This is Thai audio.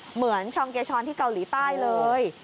เหมือนชองเกชอนที่เกาหลีใต้เลย